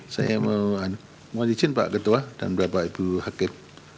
saya mohon izin pak ketua dan bapak ibu hakim